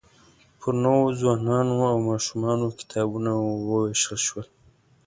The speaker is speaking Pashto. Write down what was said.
پر نوو ځوانانو او ماشومانو کتابونه ووېشل شول.